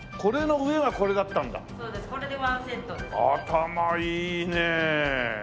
頭いいねえ。